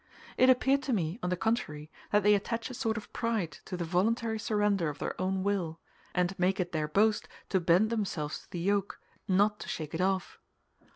It appeared to me, on the contrary, that they attach a sort of pride to the voluntary surrender of their own will, and make it their boast to bend themselves to the yoke, not to shake it off.